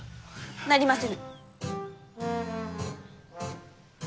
なりませぬ！